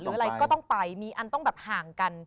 อะไรก็ต้องไปมีอันต้องแบบห่างกัน